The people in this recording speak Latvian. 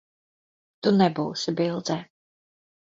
Tu nebūsi bildē.